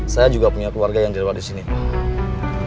saya juga punya keluarga yang direwat disini pak